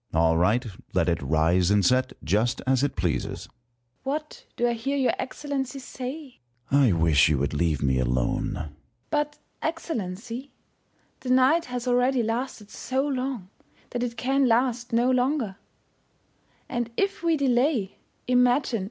Sun. All right. Let it rise and set, just as it pleases. First Hour. What do I hear your Excellency say ? Sun. I wish you would leave me alone. First Hour. But, Excellency, the night has already lasted so long, that it can last no longer ; and if we delay, imagine.